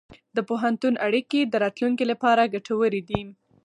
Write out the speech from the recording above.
د پوهنتون اړیکې د راتلونکي لپاره ګټورې دي.